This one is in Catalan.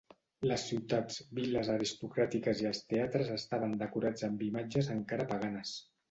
Les ciutats, vil·les aristocràtiques i els teatres estaven decorats amb imatges encara paganes.